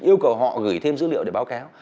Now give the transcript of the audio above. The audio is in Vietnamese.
yêu cầu họ gửi thêm dữ liệu để báo cáo